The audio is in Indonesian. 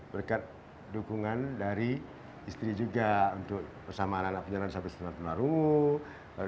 berkat dukungan dari istri juga untuk bersama anak anak penyandang disabilitas penarungu